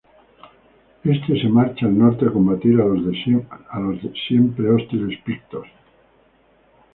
Éste se marcha al norte a combatir a los siempre hostiles pictos.